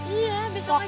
iya besok aja lah